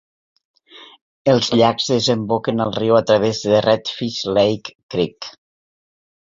Els llacs desemboquen al riu a través de Redfish Lake Creek.